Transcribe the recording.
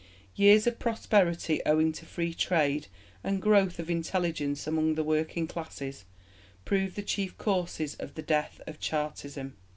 Years of prosperity owing to Free Trade and growth of intelligence among the working classes prove the chief causes of the death of Chartism.